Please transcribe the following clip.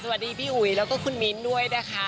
สวัสดีพี่อุ๋ยแล้วก็คุณมินท์ด้วยนะคะ